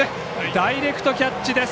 ダイレクトキャッチです。